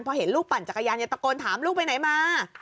พอเห็นลูกปั่นจักรยานจะตะโกนถามลูกไปไหนมา